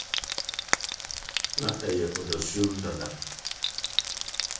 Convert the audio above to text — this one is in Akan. Ná ɛyɛ ɔdasum dedaw.